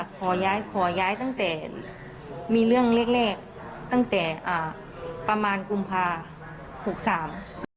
ขอย้ายค่ะขอย้ายตั้งแต่มีเรื่องเลขตั้งแต่ประมาณกุมภาคม๖๓